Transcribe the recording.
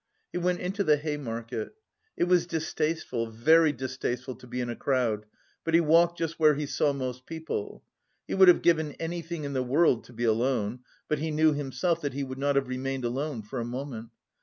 He went into the Hay Market. It was distasteful, very distasteful to be in a crowd, but he walked just where he saw most people. He would have given anything in the world to be alone; but he knew himself that he would not have remained alone for a moment.